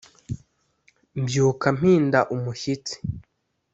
mbyuka mpinda umushyitsi